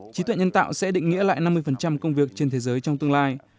trí tuệ nhân tạo sẽ định nghĩa lại năm mươi công việc trên thế giới trong tương lai